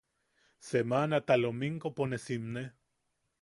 Semanata lominkopo ne simne.